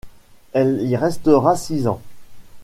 Elle y restera six ans.